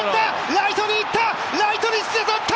ライトにいった！